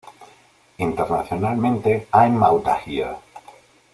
Internacionalmente "I'm Outta Here!